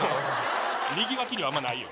右脇にはあんまないよ